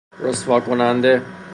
رسواکننده